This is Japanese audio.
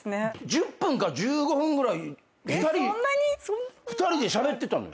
１０分か１５分ぐらい２人でしゃべってたのよ。